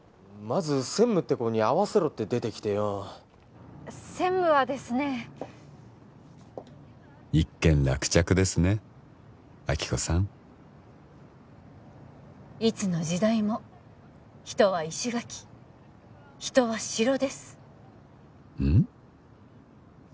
まず専務って子に会わせろって出てきてよ専務はですね一件落着ですね亜希子さんいつの時代も人は石垣人は城ですうんっ？